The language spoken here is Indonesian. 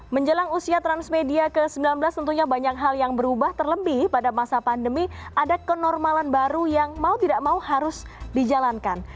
menjelang usia transmedia ke sembilan belas tentunya banyak hal yang berubah terlebih pada masa pandemi ada kenormalan baru yang mau tidak mau harus dijalankan